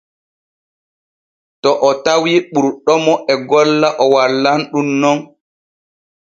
To o tawii ɓurɗomo e golla o wallan ɗun non.